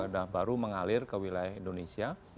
dan baru mengalir ke wilayah indonesia